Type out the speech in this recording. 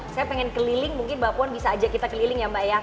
saya pengen keliling mungkin mbak puan bisa aja kita keliling ya mbak ya